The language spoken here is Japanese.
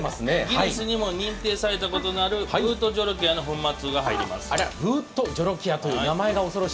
ギネスにも認定されたことがある、ブート・ジョロキアの粉末が入ります。